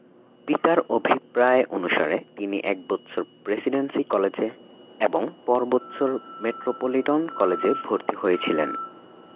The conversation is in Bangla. পিতার অভিপ্রায় অনুসারে তিনি এক বৎসর প্রেসিডেন্সি কলেজে এবং পর বৎসর মেট্রোপলিটন কলেজে ভর্তি হয়েছিলেন।